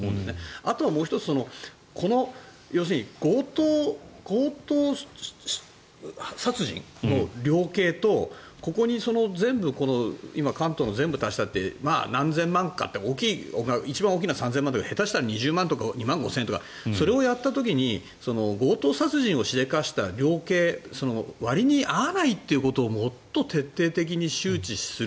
あともう１つ、要するに強盗殺人の量刑とここに全部今、関東の全部を足したってまあ何千万一番大きな３０００万円下手したら２０万円とか２万５０００とかそれをやった時に強盗殺人をしでかした量刑割に合わないということをもっと徹底的に周知する。